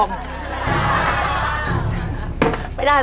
ไม่ได้ต้องโชว์ให้หมด